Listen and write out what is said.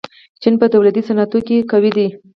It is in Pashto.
چین په تولیدي صنعتونو کې قوي دی.